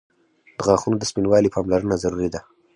• د غاښونو د سپینوالي پاملرنه ضروري ده.